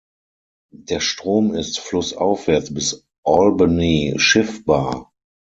Der Strom ist flussaufwärts bis Albany schiffbar.